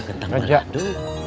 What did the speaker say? ada kentang ada adu